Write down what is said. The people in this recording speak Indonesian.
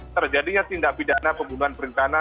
terjadinya tindak pidana pembunuhan berencana